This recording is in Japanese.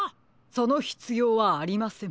そのひつようはありません。